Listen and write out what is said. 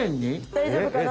大丈夫かな。